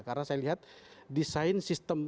karena saya lihat desain sistem